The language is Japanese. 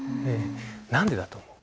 何でだと思う？